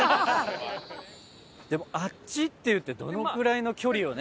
でも「あっち」って言ってどのくらいの距離をね？